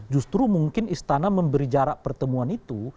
justru mungkin istana memberi jarak pertemuan itu